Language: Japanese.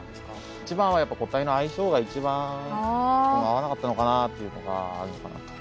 一番は個体の相性が一番合わなかったのかなっていうのがあるのかなと。